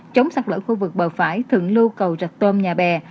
chống sạt lỡ khu vực bờ phải thượng lưu cầu rạch tôm nhà bè